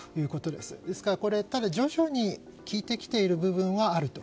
ですから徐々に効いてきている部分はあると。